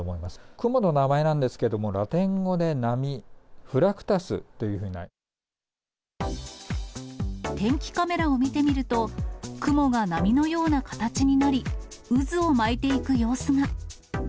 雲の名前ですけれども、ラテン語で波、天気カメラを見てみると、雲が波のような形になり、渦を巻いていく様子が。